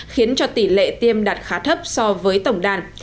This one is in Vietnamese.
khiến cho tỷ lệ tiêm đạt khá thấp so với tổng đàn